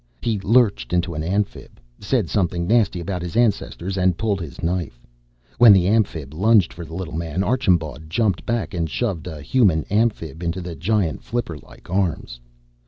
He lurched into an Amphib, said something nasty about his ancestors, and pulled his knife. When the Amphib lunged for the little man, Archambaud jumped back and shoved a Human Amphib into the giant flipper like arms.